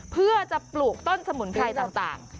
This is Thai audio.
เพื่อจะปลูกต้นสมุนไพรต่าง